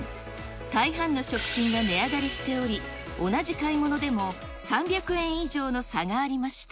大半の食品が値上がりしており、同じ買い物でも３００円以上の差がありました。